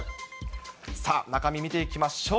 さあ、中身見ていきましょう。